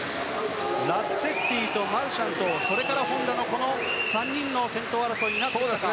ラッツェッティとマルシャンとそれから本多の３人の先頭争いになるか。